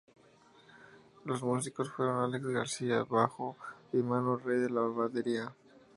Los músicos fueron Alex García al bajo y Manu Rey a la batería.